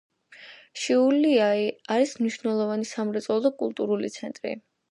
შიაულიაი არის მნიშვნელოვანი სამრეწველო და კულტურული ცენტრი.